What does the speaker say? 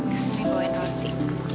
kesini gue bawa roti